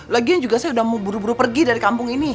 lagian juga saya udah mau buru buru pergi dari kampung ini